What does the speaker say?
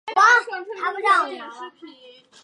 王章枯是清朝贡生。